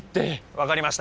分かりました。